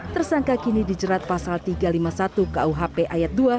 tersangka kini dijerat pasal tiga ratus lima puluh satu kuhp ayat dua